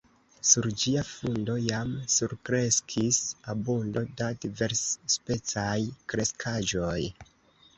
Sur ĝia fundo jam surkreskis abundo da diversspecaj kreskaĵoj.